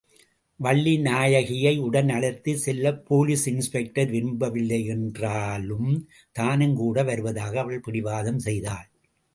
வள்ளிநாயகியை உடன் அழைத்துச் செல்லப் போலீஸ் இன்ஸ்பெக்டர் விரும்பவில்லையென்றாலும் தானுங் கூட வருவதாக அவள் பிடிவாதம் செய்தாள்.